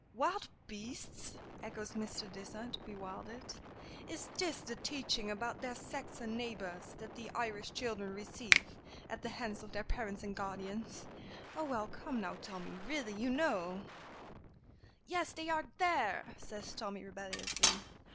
"Wild beasts!" echoes Mr. Dysart, bewildered. "Is this the teaching about their Saxon neighbors that the Irish children receive at the hands of their parents and guardians. Oh, well, come now, Tommy, really, you know " "Yes; they are there," says Tommy, rebelliously.